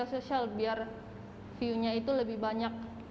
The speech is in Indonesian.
biar social biar view nya itu lebih banyak